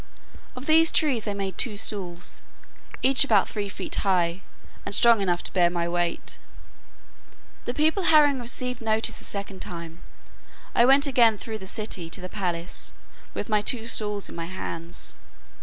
Of these trees I made two stools, each about three feet high, and strong enough to bear my weight. The people having received notice a second time, I went again through the city to the palace with my two stools in my hands.